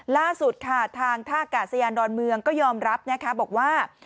ล่าสุดค่ะทางท่ากาศยานดอนเมืองก็ยอมรับนะคะบอกว่า